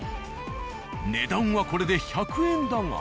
値段はこれで１００円だが。